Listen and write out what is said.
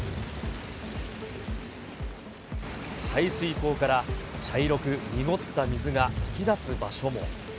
排水溝から茶色く濁った水が噴き出す場所も。